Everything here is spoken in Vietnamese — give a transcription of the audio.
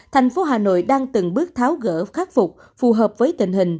thành phố hà nội đang từng bước tháo gỡ khắc phục phù hợp với tình hình